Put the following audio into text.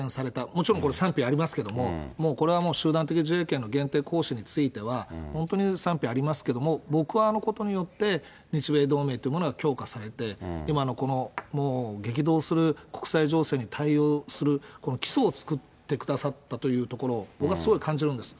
もちろんこれ、賛否ありますけれども、もうこれはもう、集団的自衛権限定行使については、本当に賛否ありますけれども、僕はあのことによって、日米同盟っていうものが強化されて、今のこの激動する国際情勢に対応する、この基礎を作ってくださったというところ、僕はすごい感じるんです。